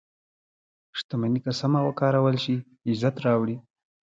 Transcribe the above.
• شتمني که سمه وکارول شي، عزت راوړي.